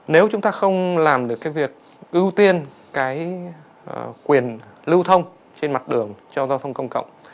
nếu chúng ta không làm được cái việc ưu tiên cái quyền lưu thông trên mặt đường cho giao thông công cộng